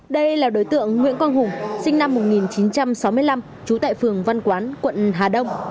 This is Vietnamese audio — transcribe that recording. đây là đối tượng nguyễn quang hùng sinh năm một nghìn chín trăm sáu mươi năm trú tại phường văn quán quận hà đông